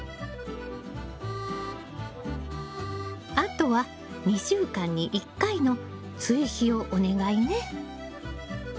あとは２週間に１回の追肥をお願いね。